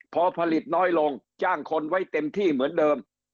พอผลิตน้อยลงจ้างคนไว้เต็มที่เหมือนเดิม